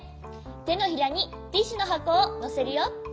てのひらにティッシュのはこをのせるよ。